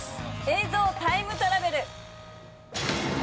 映像タイムトラベル！